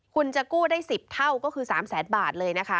คุณจะกู้ได้๑๐เท่าก็คือ๓แสนบาทเลยนะคะ